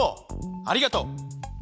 ありがとう。